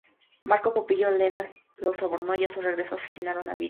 Marco Popilio Lenas los sobornó y a su regreso asesinaron a Viriato.